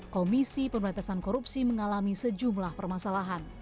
komisi pemberantasan korupsi mengalami sejumlah permasalahan